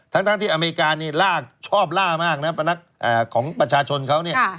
ทั้งที่อเมริกานี่ชอบล่ามากนะพนักของประชาชนเขาเนี่ย